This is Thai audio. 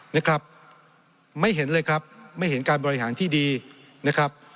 นะครับไม่เห็นเลยครับไม่เห็นการบริหารที่ดีนะครับ